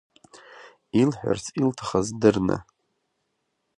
Илҳәарц илҭахыз дырны.